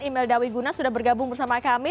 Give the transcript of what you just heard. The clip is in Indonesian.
emil dawi guna sudah bergabung bersama kami